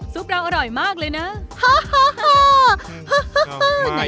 เราอร่อยมากเลยนะ